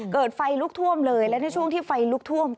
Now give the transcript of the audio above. เกิดไฟลุกท่วมเลยและในช่วงที่ไฟลุกท่วม